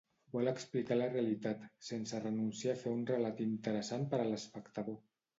Vol explicar la realitat, sense renunciar a fer un relat interessant per a l'espectador.